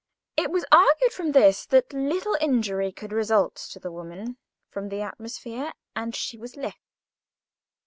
It was argued from this that little injury could result to the woman from the atmosphere, and she was left.